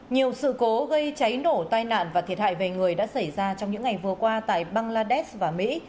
nhiều sự cố gây cháy nổ tai nạn và thiệt hại về người đã xảy ra trong những ngày vừa qua tại bangladesh và mỹ